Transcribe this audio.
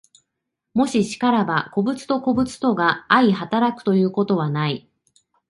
もし然らば、個物と個物とが相働くということはない。